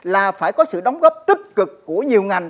là phải có sự đóng góp tích cực của nhiều ngành